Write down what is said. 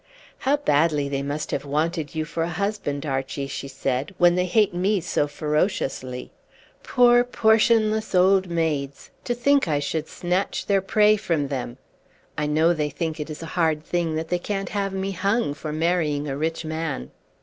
"How badly they must have wanted you for a husband, Archy," she said, "when they hate me so ferociously. Poor, portionless old maids, to think I should snatch their prey from them! I know they think it a hard thing that they can't have me hung for marrying a rich man."